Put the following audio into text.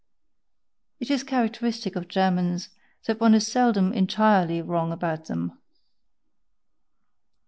it is characteristic of Germans that one is seldom entirely wrong about them.